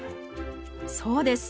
そうです。